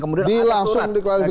kemudian ada surat